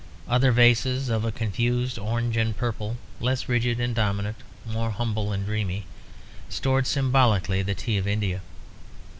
Other vases of a confused orange and purple, less rigid and dominant, more humble and dreamy, stored symbolically the tea of India.